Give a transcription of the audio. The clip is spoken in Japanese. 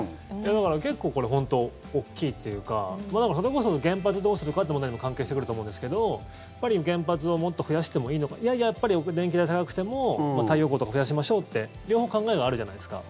だから結構、これ本当、大きいというかそれこそ原発どうするかという問題にも関係してくると思うんですけど原発をもっと増やしてもいいのかいやいや、電気代高くても太陽光とか増やしましょうって両方考えがあるじゃないですか。